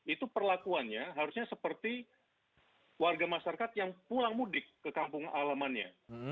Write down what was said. itu perlakuannya harusnya seperti warga masyarakat yang pulang mudik ke kampung alamannya